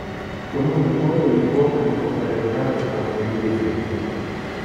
Тому ніколи нікого не попереджаю про свої візити.